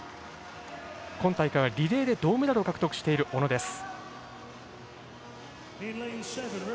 今大会はリレーで銅メダルを獲得した小野です。